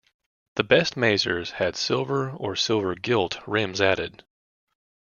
The best mazers had silver or silver gilt rims added.